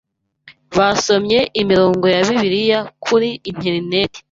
basomye imrongo ya bIbiiya kuri interineti